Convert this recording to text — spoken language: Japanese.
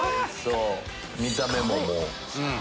見た目ももう。